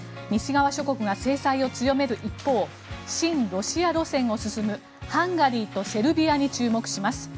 西側諸国が制裁を強める一方親ロシア路線を進むハンガリーとセルビアに注目します。